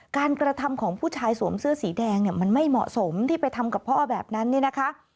กระทำของผู้ชายสวมเสื้อสีแดงเนี่ยมันไม่เหมาะสมที่ไปทำกับพ่อแบบนั้นเนี่ยนะคะ